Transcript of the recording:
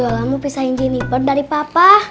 bu guriola mau pisahin jennifer dari papa